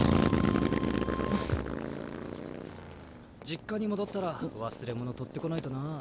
実家に戻ったら忘れ物取ってこないとな。